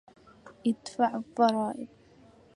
أدفع الضرائب.